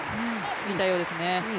いい対応ですね。